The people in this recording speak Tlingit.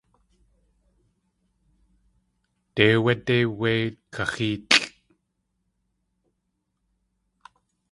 Déi áwé déi wéi kaxéelʼ!